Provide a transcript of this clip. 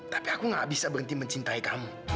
tapi aku gak bisa berhenti mencintai kamu